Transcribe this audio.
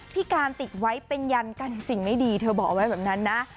พี่การติดไว้เป็นยันกันสิ่งไม่ดีเธอบอกเอาไว้แบบนั้นนะ